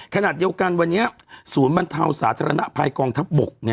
ขณะเดียวกันวันนี้ศูนย์บรรเทาสาธารณภัยกองทัพบก